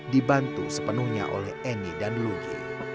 dibantu sepenuhnya oleh eni dan lugi